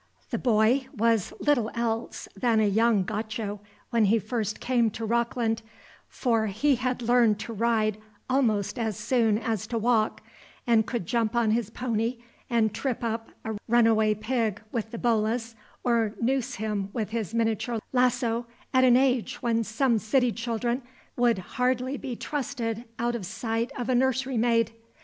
The boy was little else than a young Gaucho when he first came to Rockland; for he had learned to ride almost as soon as to walk, and could jump on his pony and trip up a runaway pig with the bolas or noose him with his miniature lasso at an age when some city children would hardly be trusted out of sight of a nursery maid.